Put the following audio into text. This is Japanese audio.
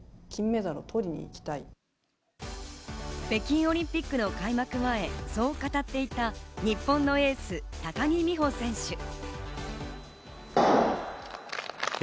北京オリンピックの開幕前、そう語っていた日本のエース、高木美帆選手。